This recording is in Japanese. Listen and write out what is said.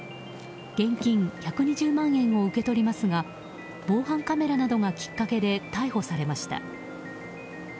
現金１２０万円を受け取りますが防犯カメラなどがきっかけで逮捕されました。